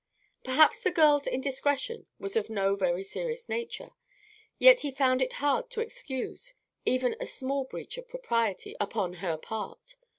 Perhaps the girl's indiscretion was of no very serious nature; yet he found it hard to excuse even a small breach of propriety upon her part.